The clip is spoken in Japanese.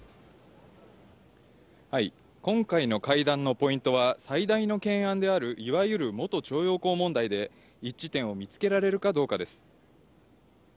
今回の会談のポイントは、最大の懸案であるいわゆる元徴用工問題で、一致点を見つけられるかどうかです。